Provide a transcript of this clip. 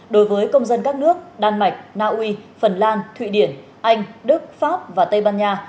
đối với công dân các nước đan mạch naui phần lan thụy điển anh đức pháp và tây ban nha